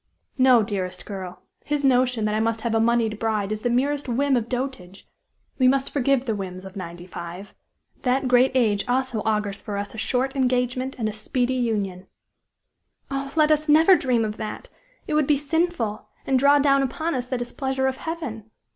No, dearest girl his notion that I must have a moneyed bride is the merest whim of dotage; we must forgive the whims of ninety five. That great age also augurs for us a short engagement and a speedy union!" "Oh! never let us dream of that! It would be sinful, and draw down upon us the displeasure of Heaven.